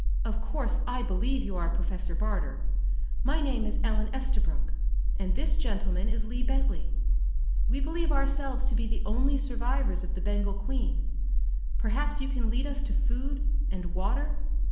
Of course I believe you are Professor Barter. My name is Ellen Estabrook, and this gentleman is Lee Bentley. We believe ourselves to be the only survivors of the Bengal Queen. Perhaps you can lead us to food and water?"